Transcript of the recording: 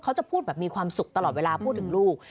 เขาจะพูดแบบมีความสุขตลอดเวลาพูดถึงลูก